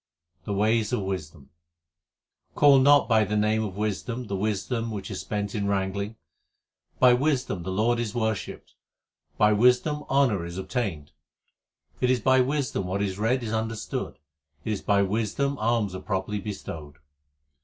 The ways of wisdom : Call not by the name of wisdom the wisdom which is spent in wrangling. By wisdom the Lord is worshipped ; by wisdom honour is obtained. It is by wisdom what is read is understood, it is by wisdom alms are properly bestowed.